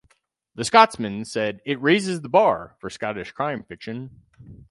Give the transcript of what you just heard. "The Scotsman" said it 'raises the bar' for Scottish crime fiction.